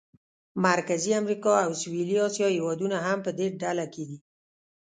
مرکزي امریکا او سویلي اسیا هېوادونه هم په دې ډله کې دي.